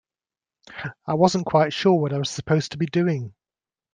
I wasn't quite sure what I was supposed to be doing.